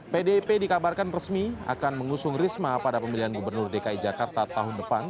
pdip dikabarkan resmi akan mengusung risma pada pemilihan gubernur dki jakarta tahun depan